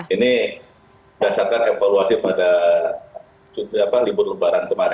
ini berdasarkan evaluasi pada libur lebaran kemarin